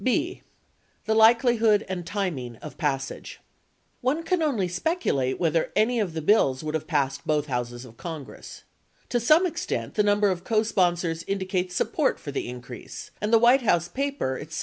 44 5. The Likelihood and Timing of Passage One can only speculate whether any of the bills would have passed both Houses of Congress. To some extent, the number of cosponsors indicates support for the increase, and the White House White Paper, itself, lays great stress on the number of sponsors.